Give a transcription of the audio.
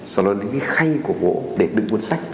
xong rồi đến cái khay của gỗ để đựng cuốn sách